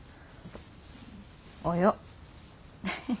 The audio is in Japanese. およ。